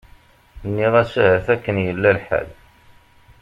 Nniɣ-as ahat akken i yella lḥal.